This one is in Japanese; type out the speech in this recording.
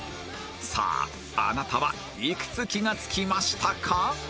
さああなたはいくつ気がつきましたか？